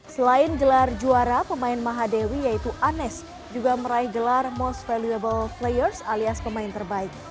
selain gelar juara pemain maha dewi yaitu anes juga meraih gelar most valuable players alias pemain terbaik